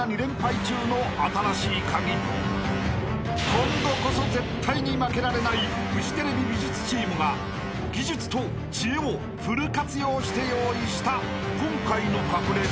［今度こそ絶対に負けられないフジテレビ美術チームが技術と知恵をフル活用して用意した今回の隠れ場所とは］